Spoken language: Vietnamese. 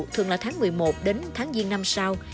thường là tháng một mươi một đến tháng giêng năm sau